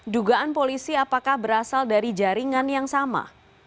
dugaan polisi apakah berasal dari jaringan yang sama